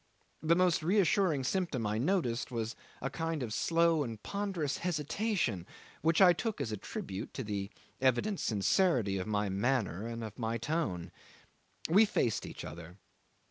The most reassuring symptom I noticed was a kind of slow and ponderous hesitation, which I took as a tribute to the evident sincerity of my manner and of my tone. We faced each other.